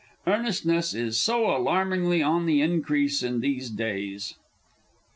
Earnestness is so alarmingly on the increase in these days.